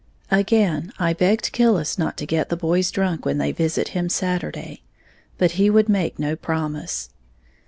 Again I begged Killis not to get the boys drunk when they visit him Saturday, but he would make no promise.